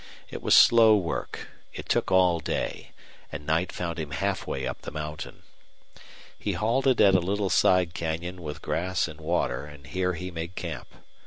It was slow work; it took all day; and night found him half way up the mountain. He halted at a little side canyon with grass and water, and here he made camp.